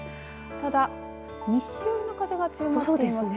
ただ、西寄りの風が強まっていますね。